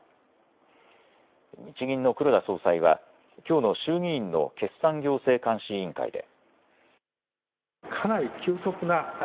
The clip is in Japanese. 日銀の黒田総裁はきょうの衆議院の決算行政監視委員会で。